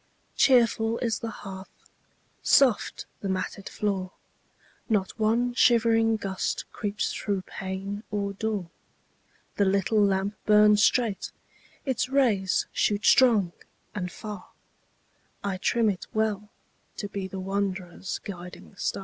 Cheerful is the hearth, soft the matted floor; Not one shivering gust creeps through pane or door; The little lamp burns straight, its rays shoot strong and far: I trim it well, to be the wanderer's guiding star.